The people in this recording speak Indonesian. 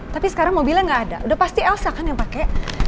tapi sekarang mobilnya nggak ada udah pasti elsa kan yang pakai